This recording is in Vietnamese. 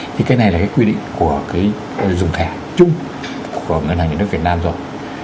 thì cái này là cái quy định của cái dùng thẻ chung của ngân hàng nhà nước việt nam rồi